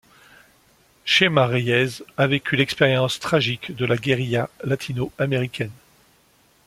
Chema Reyes a vécu l'expérience tragique de la guérilla latino-américaine.